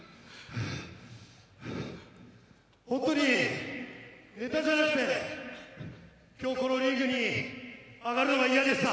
本当に、ネタじゃなくて今日、このリングに上がるのが嫌でした。